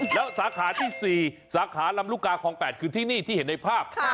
แล้วสาขาที่๔สาขาลำลูกกาคลอง๘คือที่นี่ที่เห็นในภาพ